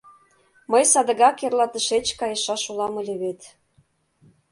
Мый садыгак эрла тышеч кайышаш улам ыле вет.